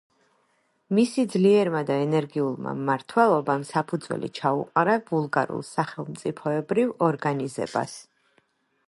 მისი ძლიერმა და ენერგიულმა მმართველობამ საფუძველი ჩაუყარა ბულგარულ სახელმწიფოებრივ ორგანიზებას.